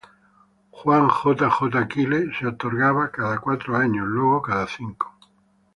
Juan J. J. Kyle" se otorgaba cada cuatro años; luego, cada cinco.